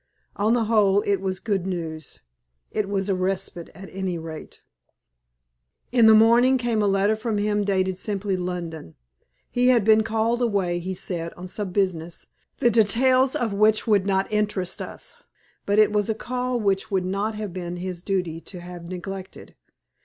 On the whole it was good news. It was a respite at any rate. In the morning came a letter from him, dated simply London. He had been called away, he said, on some business, the details of which would not interest us, but it was a call which it would not have been his duty to have neglected.